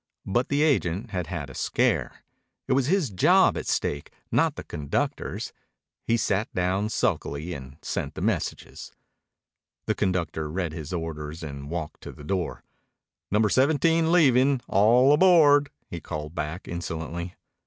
But the agent had had a scare. It was his job at stake, not the conductor's. He sat down sulkily and sent the messages. The conductor read his orders and walked to the door. "Number 17 leaving. All aboard," he called back insolently.